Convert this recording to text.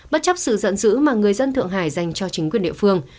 bất chấp sự giận dữ mà người dân thượng hải dành cho chính quyền địa phương